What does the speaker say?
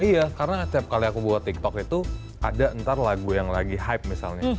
iya karena tiap kali aku buat tiktok itu ada ntar lagu yang lagi hype misalnya